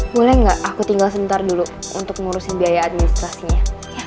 boleh nggak aku tinggal sebentar dulu untuk mengurusin biaya administrasinya